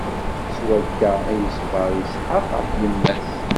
S wakka i yeṣber Isḥaq ɣef yemma-s.